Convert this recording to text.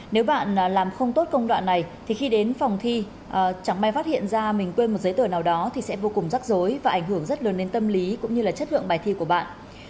nếu bạn làm không tốt công đoạn này thì khi đến phòng thi chẳng may phát hiện ra mình quên một giấy tờ nào đó thì sẽ vô cùng rắc rối và ảnh hưởng rất lớn đến tâm lý cũng như là chất lượng bài thi của bạn